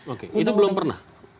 oke itu belum pernah